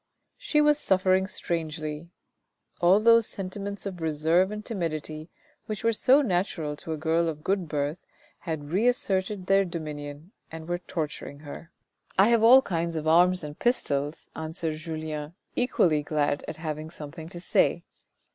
She was suffering strangely; all those sentiments of reserve and timidity which were so natural to a girl of good birth, had reasserted their dominion and were torturing her. " I have all kinds of arms and pistols," answered Julien equally glad at having something to say.